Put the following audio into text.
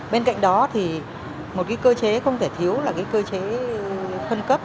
bên cạnh đó thì một cơ chế không thể thiếu là cơ chế phân cấp